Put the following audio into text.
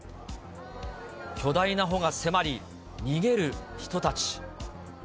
巨大な帆が迫り、逃げる人たち。